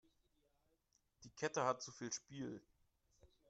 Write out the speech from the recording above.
Die Kette hat zu viel Spiel.